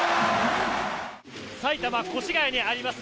埼玉・越谷にあります